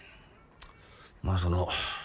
まあその。